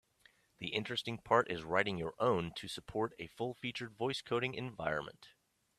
The interesting part is writing your own to support a full-featured voice coding environment.